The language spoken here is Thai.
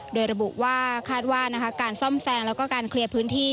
โดยระบุว่าคาดว่าการซ่อมแซมแล้วก็การเคลียร์พื้นที่